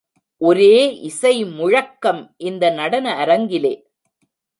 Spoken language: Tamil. ஒரே இசை முழக்கம் இந்த நடன அரங்கிலே.